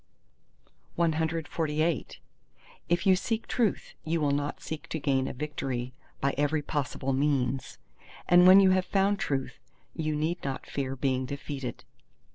CXLIX If you seek Truth, you will not seek to gain a victory by every possible means; and when you have found Truth, you need not fear being defeated.